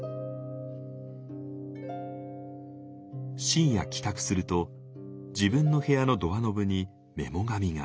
深夜帰宅すると自分の部屋のドアノブにメモ紙が。